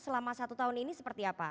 selama satu tahun ini seperti apa